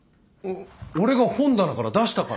俺が本棚から出したから。